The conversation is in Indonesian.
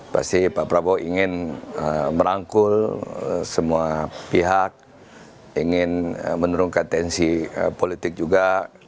pasti pak prabowo ingin merangkul semua pihak ingin menurunkan tensi politik juga